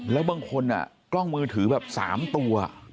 แล้วบางคนกล้องมือถือแบบ๓ตัว